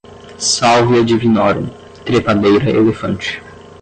salvia divinorum, trepadeira elefante